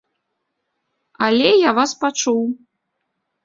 Але я вас пачуў.